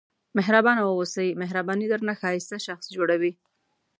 مهربانه واوسئ مهرباني درنه ښایسته شخص جوړوي.